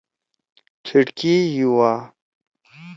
کھِڑکی یُوا۔